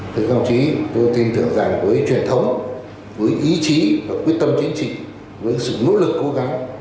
thưa các đồng chí tôi tin tưởng rằng với truyền thống với ý chí và quyết tâm chính trị với sự nỗ lực cố gắng